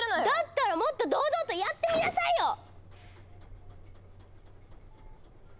だったらもっと堂々とやってみなさいよ！